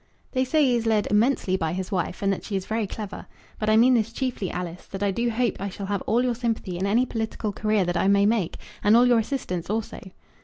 "They say he is led immensely by his wife, and that she is very clever. But I mean this chiefly, Alice, that I do hope I shall have all your sympathy in any political career that I may make, and all your assistance also."